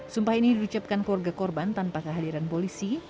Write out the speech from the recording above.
sumpah ini diucapkan keluarga korban tanpa kehadiran polisi